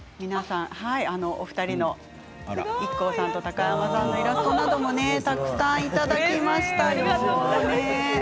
ＩＫＫＯさんと高山さんのイラストなどもたくさんいただきました。